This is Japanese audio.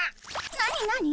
何何？